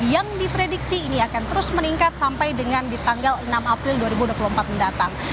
yang diprediksi ini akan terus meningkat sampai dengan di tanggal enam april dua ribu dua puluh empat mendatang